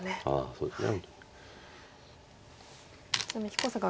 そうですね。